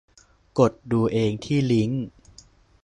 กดดูเองที่ลิงก์